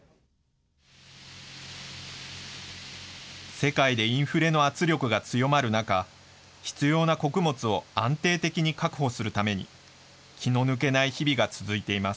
世界でインフレの圧力が強まる中、必要な穀物を安定的に確保するために、気の抜けない日々が続いています。